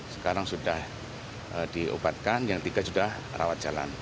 sekarang sudah diobatkan yang tiga sudah rawat jalan